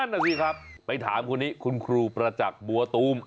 นั่นน่ะสิครับไปถามคนนี้คุณครูประจักษ์บัวตูม